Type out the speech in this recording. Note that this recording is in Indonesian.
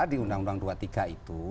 di undang undang dua puluh tiga itu